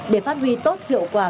để phát huy tốt hiệu quả